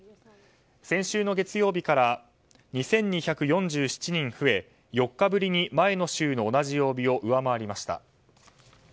先週の月曜日から２２４７人増え４日ぶりに前の週の同じ曜日を上回りました。